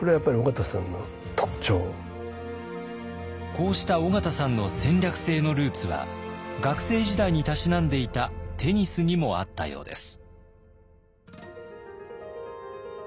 こうした緒方さんの戦略性のルーツは学生時代にたしなんでいたテニスにもあったようです。